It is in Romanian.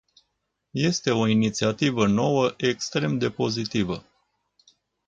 Este o inițiativă nouă extrem de pozitivă.